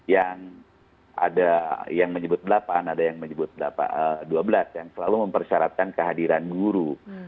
yang ada yang menyebut delapan ada yang menyebut dua belas yang selalu mempersyaratkan kehadiran guru